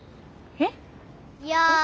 えっ